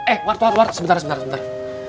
eh wartu wartu wartu sebentar sebentar